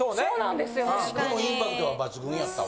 でもインパクトは抜群やったわ。